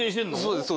そうです